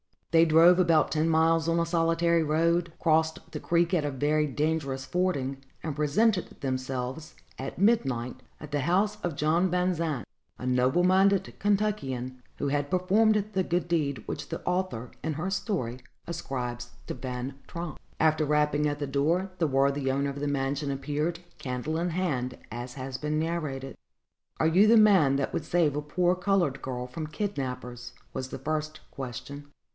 They drove about ten miles on a solitary road, crossed the creek at a very dangerous fording, and presented themselves, at midnight, at the house of John Van Zandt, a noble minded Kentuckian, who had performed the good deed which the author, in her story, ascribes to Van Tromp. After some rapping at the door, the worthy owner of the mansion appeared, candle in hand, as has been narrated. "Are you the man that would save a poor colored girl from kidnappers?" was the first question.